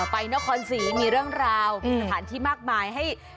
ไปนครศรีมีเรื่องราวสถานที่มากมายให้